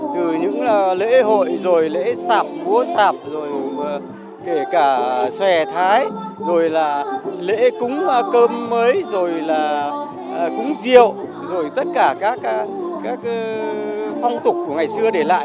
từ những lễ hội lễ sạp búa sạp kể cả xòe thái lễ cúng cơm mới cúng rượu tất cả các phong tục của ngày xưa để lại